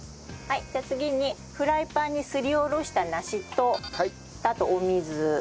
じゃあ次にフライパンにすりおろした梨とあとお水